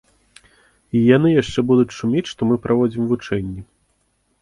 І яны яшчэ будуць шумець, што мы праводзім вучэнні.